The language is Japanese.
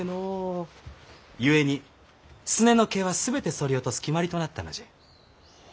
ゆえにすねの毛は全てそり落とす決まりとなったのじゃ。